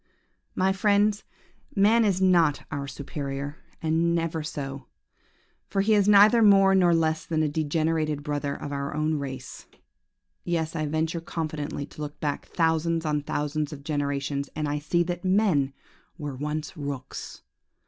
... "My friends, man is not our superior, was never so, for he is neither more nor less than a degenerated brother of our own race! Yes, I venture confidently to look back thousands on thousands of generations, and I see that men were once rooks!